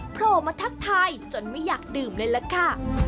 โผล่มาทักทายจนไม่อยากดื่มเลยล่ะค่ะ